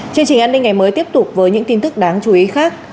chương trình an ninh ngày mới tiếp tục với những tin tức đáng chú ý khác